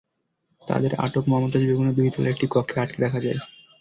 তাদের আটক মমতাজ বেগমের দুই তলার একটি কক্ষে আটকে রাখা হয়।